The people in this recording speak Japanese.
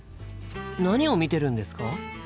何を見てるんですか？